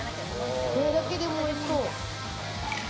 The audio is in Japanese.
これだけでもおいしそう。